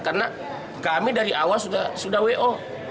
karena kami dari awal sudah wo